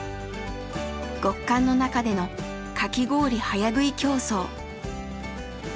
極寒の中での「かき氷早食い競争」。